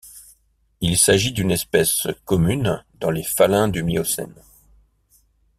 Il s'agit d'une espèce commune dans les faluns du Miocène.